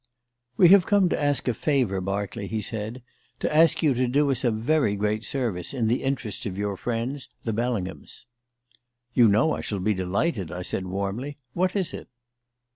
"We have come to ask a favour, Berkeley," he said; "to ask you to do us a very great service in the interests of your friends, the Bellinghams." "You know I shall be delighted," I said warmly. "What is it?"